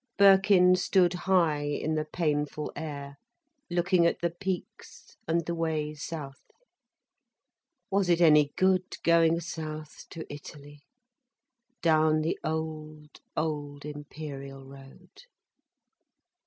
Birkin stood high in the painful air, looking at the peaks, and the way south. Was it any good going south, to Italy? Down the old, old Imperial road?